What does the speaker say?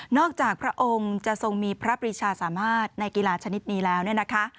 จากพระองค์จะทรงมีพระปริชาสามารถในกีฬาชนิดนี้แล้วเนี่ยนะคะ